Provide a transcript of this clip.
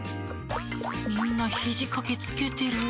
みんなひじかけつけてる。